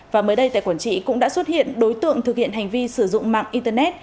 và mới đây tại quản trị cũng đã xuất hiện đối tượng thực hiện hành vi sử dụng mạng internet